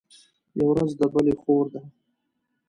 يوه ورځ د بلي خور ده.